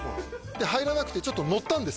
入らなくてちょっとのったんです